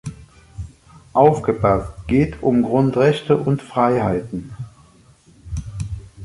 Aufgepasst geht um Grundrechte und -freiheiten!